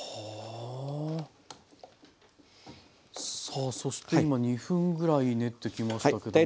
さあそして今２分ぐらい練ってきましたけども。